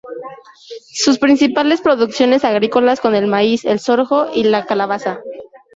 Sus principales producciones agrícolas son el maíz, el sorgo y la calabaza.